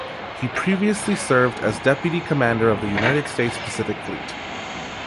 He previously served as deputy commander of the United States Pacific Fleet.